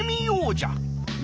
じゃ。